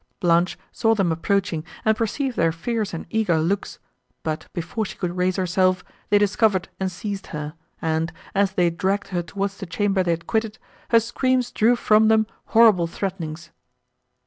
Blanche saw them approaching, and perceived their fierce and eager looks: but, before she could raise herself, they discovered and seized her, and, as they dragged her towards the chamber they had quitted, her screams drew from them horrible threatenings.